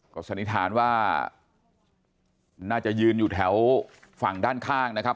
ก็สันนิษฐานว่าน่าจะยืนอยู่แถวฝั่งด้านข้างนะครับ